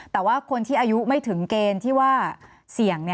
แต่ว่าคนที่อายุไม่ถึงเกณฑ์ที่ว่าเสี่ยง